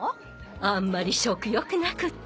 あんまり食欲なくって。